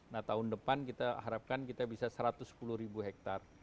nah tahun depan kita harapkan kita bisa satu ratus sepuluh ribu hektare